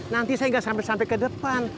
nanti saya nggak sampai sampai ke depan